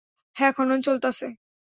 হ্যাঁ, খনন চলতাছে।